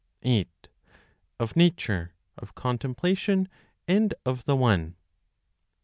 Of Nature, of Contemplation, and of the One, 30.